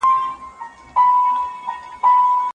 څېړونکی نسي کولای له ماخذونو پرته ادعا وکړي.